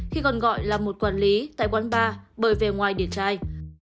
khi còn gọi là một quản lý tại quán bar bởi về ngoài để trai